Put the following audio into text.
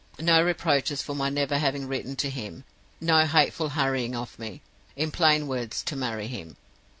No reproaches for my never having written to him; no hateful hurrying of me, in plain words, to marry him.